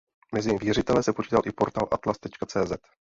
Mezi věřitele se počítal i portál Atlas.cz.